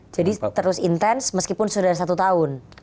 jadi terus intens meskipun sudah satu tahun